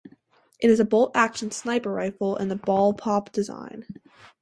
It is a bolt-action sniper rifle in a bullpup design.